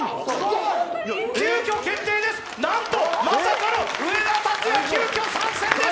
急きょ決定です、まさかの上田竜也急きょ、参戦です。